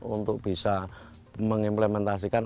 untuk bisa mengimplementasikan